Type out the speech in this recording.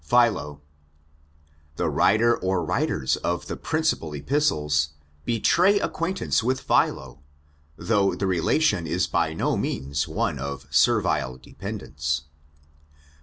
Philo. The writer or writers of the principal Epistles betray acquaintance with Philo, though the relation is by no means one of servile dependence.'